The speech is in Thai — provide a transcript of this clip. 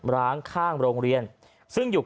ร้านข้างโรงเรียน